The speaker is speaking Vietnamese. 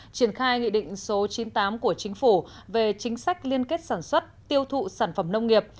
triển khai nghị định số chín mươi tám của chính phủ về chính sách liên kết sản xuất tiêu thụ sản phẩm nông nghiệp